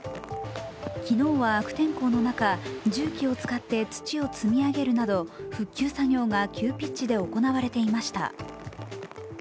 昨日は悪天候の中、重機を使って土を積み上げるなど、復旧作業が急ピッチで行われていました。